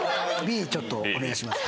Ｂちょっとお願いします